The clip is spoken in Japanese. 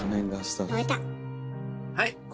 はい！